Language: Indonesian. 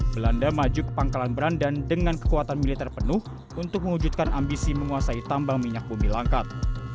belanda maju ke pangkalan berandan dengan kekuatan militer penuh untuk mewujudkan ambisi menguasai tambang minyak bumi langkat